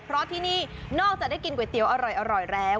เพราะที่นี่นอกจากได้กินก๋วยเตี๋ยวอร่อยแล้ว